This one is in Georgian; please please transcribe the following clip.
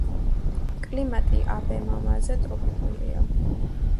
კლიმატი აბემამაზე ტროპიკულია.